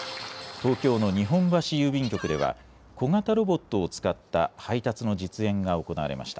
東京の日本橋郵便局では小型ロボットを使った配達の実演が行われました。